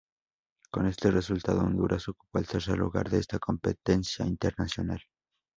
Con este resultado Honduras ocupó el tercer lugar de esta competencia internacional.